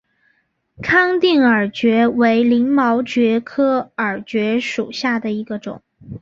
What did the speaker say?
康定耳蕨为鳞毛蕨科耳蕨属下的一个种。